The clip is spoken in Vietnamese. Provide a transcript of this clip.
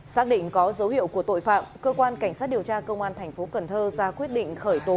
xác định có dấu hiệu của tội phạm cơ quan cảnh sát điều tra công an tp hcm ra quyết định khởi tố